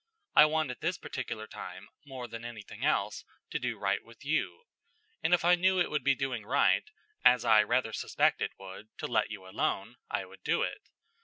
I want at this particular time, more than anything else, to do right with you; and if I knew it would be doing right, as I rather suspect it would, to let you alone, I would do it.